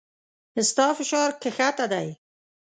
ستا فشار کښته دی